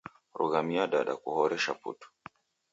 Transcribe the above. Rumaghia dada, kuhoresha putu.